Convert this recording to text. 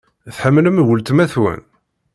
Tḥemmlem weltma-twen?